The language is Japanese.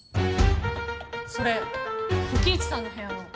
それ火鬼壱さんの部屋の。